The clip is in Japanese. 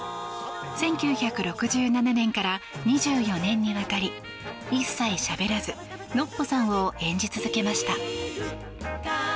１９６７年から２４年にわたり一切しゃべらずノッポさんを演じ続けました。